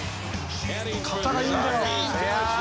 肩がいいんだよ。